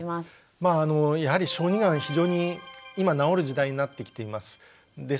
まああのやはり小児がんは非常に今治る時代になってきています。